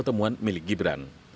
pertemuan milik gibran